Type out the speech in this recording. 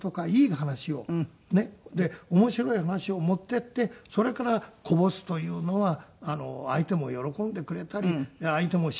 で面白い話を持っていってそれからこぼすというのは相手も喜んでくれたり相手も親身になってくれる。